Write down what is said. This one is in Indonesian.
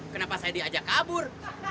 kenapa saya diajak kabur